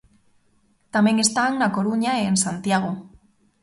Tamén están na Coruña e en Santiago.